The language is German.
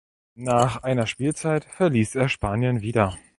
Nach einer Spielzeit verließ er Spanien wieder.